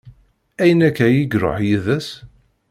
Ayen akka i yi-iruḥ yiḍes?